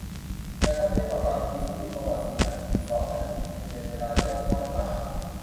แต่ถ้าเทียบกับฝั่งจีนซึ่งมีประวัติสี่พันปี สองพันปีดูจะเป็นเวลาเล็กน้อยมาก